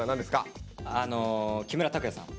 あの木村拓哉さん。